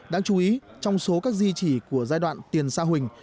đáng chú ý trong số các di chỉ của giai đoạn tiền sa huỳnh